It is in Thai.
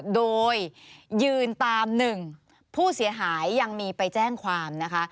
โดยยืนตามหนึ่งผู้เสียหายยังมีไปแจ้งความนะคะ